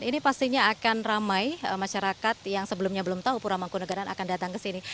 ini pastinya akan ramai masyarakat yang sebelumnya belum tahu pura mangkunagaran akan datang ke sini